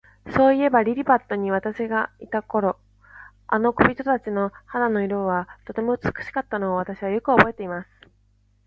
そういえば、リリパットに私がいた頃、あの小人たちの肌の色は、とても美しかったのを、私はよくおぼえています。